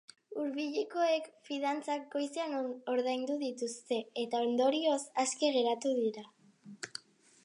Hurbilekoek fidantzak goizean ordaindu dituzte, eta ondorioz, aske geratu dira.